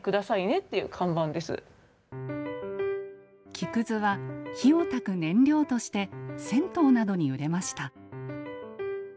木くずは火をたく燃料として銭湯などに売れました。